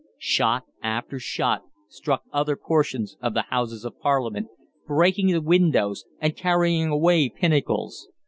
Shot after shot struck other portions of the Houses of Parliament, breaking the windows and carrying away pinnacles.